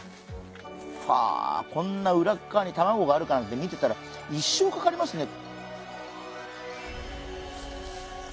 はあこんな裏っ側に卵があるかなんて見てたら一生かかりますね。